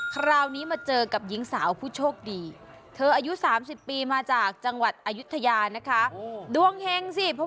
คราวนี้มาเจอกับหญิงสาวผู้โชคดีทือ